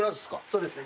そうですね。